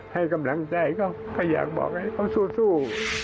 ให้กำลังใจเขาก็อยากบอกให้เขาสู้